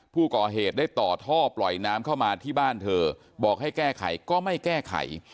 ผู้ก่อเหตุได้ต่อท่อปล่อยน้ำเข้ามาที่บ้านเธอบอกให้แก้ไขก็ไม่แก้ไข